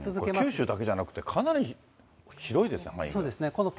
これ、九州だけじゃなくて、かなり広いですね、範囲が。